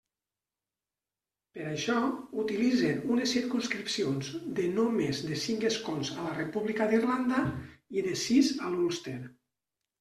Per això, utilitzen unes circumscripcions de no més de cinc escons a la República d'Irlanda i de sis a l'Ulster.